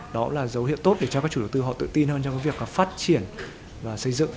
đó là dấu hiệu tốt để cho các chủ đầu tư họ tự tin hơn trong cái việc phát triển và xây dựng